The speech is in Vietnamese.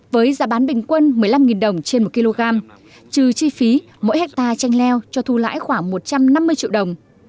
với giá bán bình quân một mươi năm đồng trên một kg trừ chi phí mỗi hectare chanh leo cho thu lãi khoảng một trăm năm mươi triệu đồng